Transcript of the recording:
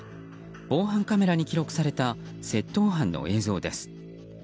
防犯カメラに記録された窃盗犯の映像です。